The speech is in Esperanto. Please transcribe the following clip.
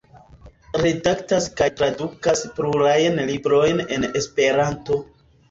Redaktas kaj tradukas plurajn librojn en Esperanto.